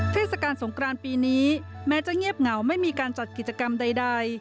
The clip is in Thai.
เทศกาลสงครานปีนี้แม้จะเงียบเหงาไม่มีการจัดกิจกรรมใด